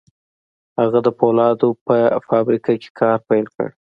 هغه د پولادو په فابريکه کې کار پيل کړ.